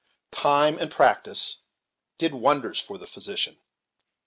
Time and practice did wonders for the physician.